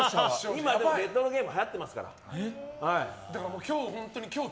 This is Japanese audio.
今レトロゲームはやってますから。